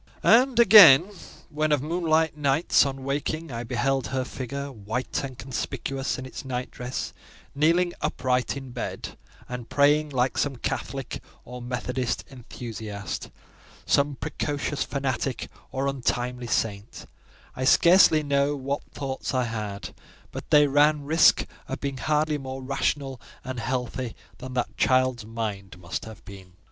And again, when of moonlight nights, on waking, I beheld her figure, white and conspicuous in its night dress, kneeling upright in bed, and praying like some Catholic or Methodist enthusiast—some precocious fanatic or untimely saint—I scarcely know what thoughts I had; but they ran risk of being hardly more rational and healthy than that child's mind must have been.